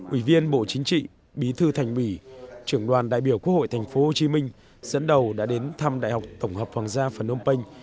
ủy viên bộ chính trị bí thư thành bỉ trưởng đoàn đại biểu quốc hội tp hcm dẫn đầu đã đến thăm đại học tổng hợp hoàng gia phần âu bênh